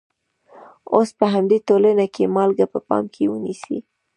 اوس په همدې ټولنه کې مالګه په پام کې ونیسئ.